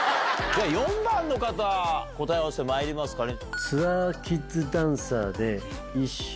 ４番の方答え合わせまいりますかね。